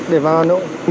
để vào hà nội